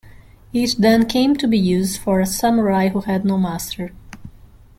It then came to be used for a samurai who had no master.